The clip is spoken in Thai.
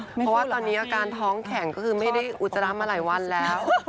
เพราะว่าตอนนี้อาการท้องแข็งก็คือไม่ได้อุจจาระมาหลายวันแล้ว